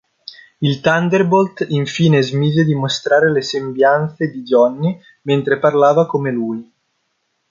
Il Thunderbolt infine smise di mostrare le sembianze di Johnny mentre parlava come lui.